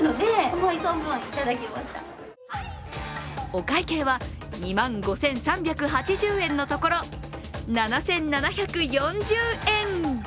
お会計は２万５３８０円のところ７７４０円。